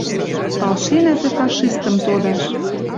Палшенӓ тӹ фашистым тодаш